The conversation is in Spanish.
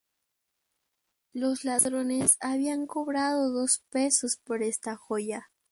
Los ladrones habían cobrado dos pesos por esta joya.